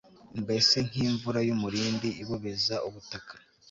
mbese nk'imvura y'umurindi ibobeza ubutaka